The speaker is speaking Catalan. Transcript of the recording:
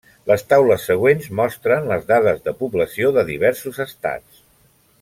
Les taules següents mostren les dades de població de diversos estats.